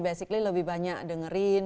basically lebih banyak dengerin